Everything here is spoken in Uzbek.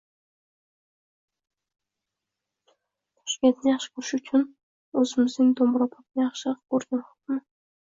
Toshkentni yaxshi ko‘rish uchun o‘zimizning Do‘mbrobodni yaxshi ko‘rgin, xo‘pmi?